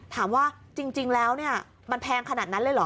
ถามว่าจริงแล้วเนี่ยมันแพงขนาดนั้นเลยเหรอ